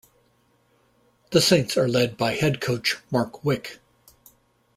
The Saints are led by Head Coach Mark Wick.